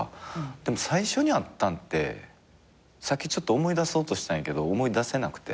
でも最初に会ったんってさっき思い出そうとしたんやけど思い出せなくて。